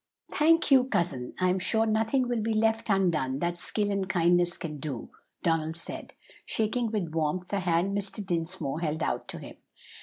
"Thank you, cousin. I am sure nothing will be left undone that skill and kindness can do," Donald said, shaking with warmth the hand Mr. Dinsmore held out to him.